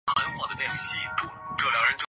板球是得分的基本单位。